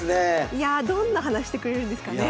いやあどんな話してくれるんですかね？